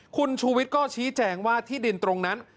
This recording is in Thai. คุณชูวิทย์ก็ชี้แจงว่าที่ดินตรงนั้น